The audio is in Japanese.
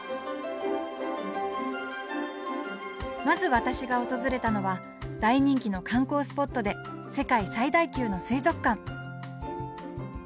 まず私が訪れたのは大人気の観光スポットで世界最大級の水族館